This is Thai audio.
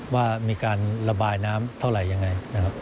ว่ามีการระบายน้ำเท่าไหร่ยังไงนะครับ